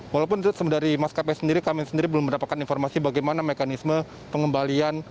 walaupun dari maskapai sendiri kami sendiri belum mendapatkan informasi bagaimana mekanisme pengembalian